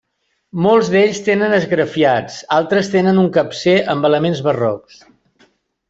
Molts d'ells tenen esgrafiats, altres tenen un capcer amb elements barrocs.